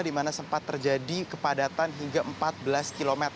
di mana sempat terjadi kepadatan hingga empat belas km